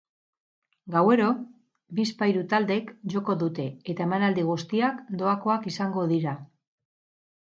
Gauero, bizpahiru taldek joko dute, eta emanaldi guztiak doakoak izango dira.